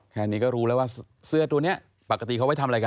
แค่นี้ก็รู้แล้วว่าเสื้อตัวนี้ปกติเขาไว้ทำอะไรกัน